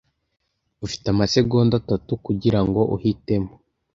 Ufite amasegonda atatu kugirango uhitemo.